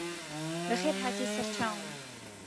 بەخێرهاتی سەرچاوم